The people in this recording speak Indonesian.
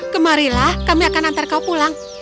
kemarilah kami akan antar kau pulang